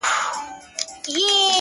• خو وخته لا مړ سوى دی ژوندى نـه دی؛